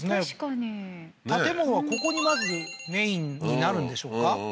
確かに建物はここにまずメインになるんでしょうか？